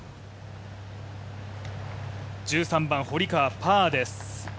１３番、堀川パーです。